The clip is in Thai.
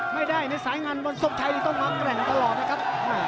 ไม่ได้ในสายงานบนสมไทยต้องอ่อนแข็งตลอดนะครับ